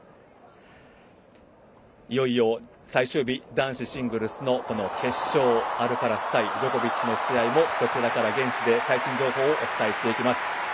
いよいよ最終日男子シングルスの決勝アルカラス対ジョコビッチの試合もこちらから現地で最新情報をお伝えしていきます。